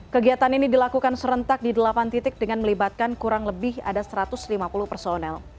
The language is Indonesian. kegiatan ini dilakukan serentak di delapan titik dengan melibatkan kurang lebih ada satu ratus lima puluh personel